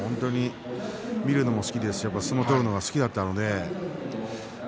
見るのも好きですし相撲を取るのが好きだったので。